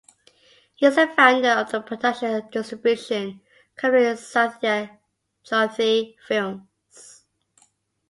He is the founder of the production and distribution company Sathya Jyothi Films.